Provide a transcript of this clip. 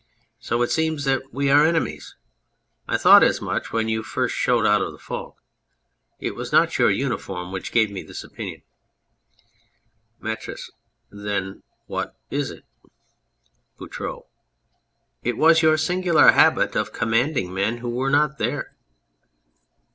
So it seems that we are enemies. I thought as much when you first showed out of the fog. It was not your uniform which gave me this opinion. METRIS. Then what is it? BOUTROUX. It was your singular habit of com manding men who were not there.